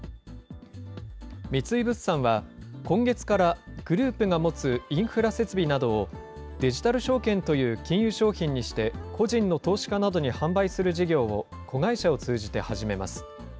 三井物産は、今月からグループが持つインフラ設備などを、デジタル証券という金融商品にして、個人の投資家などに販売する事業を、子会社を通じて始めます。